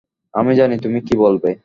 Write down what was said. আমি জানি তুমি কি বলবে।